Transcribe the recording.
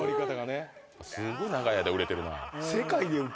すごい長い間売れてるな。